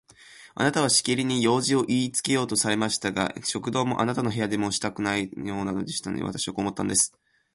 あなたはしきりに用事をいいつけようとされましたが、食堂でもあなたの部屋でもしたくないようでしたので、私はこう思ったんです。